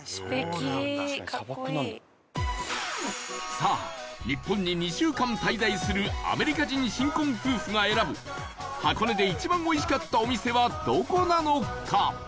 さあ、日本に２週間滞在するアメリカ人新婚夫婦が選ぶ箱根で一番おいしかったお店はどこなのか？